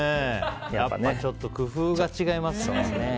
やっぱちょっと工夫が違いますね。